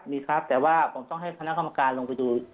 มีครับแต่ว่าผมต้องให้คณะกรรมการลงไปดู